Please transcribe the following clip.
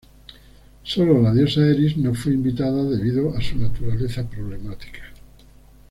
Sólo la diosa Eris no fue invitada debido a su naturaleza problemática.